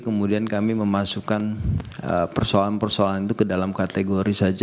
kemudian kami memasukkan persoalan persoalan itu ke dalam kategori saja